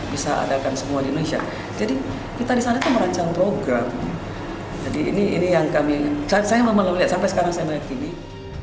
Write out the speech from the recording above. bisa adakan semua di indonesia jadi kita di sana itu merancang program jadi ini yang kami saya melihat sampai sekarang saya melihat ini